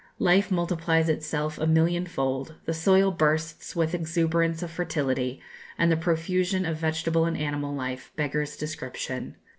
Life multiplies itself a millionfold, the soil bursts with exuberance of fertility, and the profusion of vegetable and animal life beggars description.